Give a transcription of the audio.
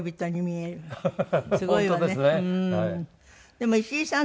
でも石井さん